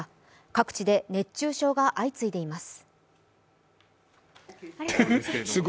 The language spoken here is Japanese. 各地で熱中症が相次いでいます。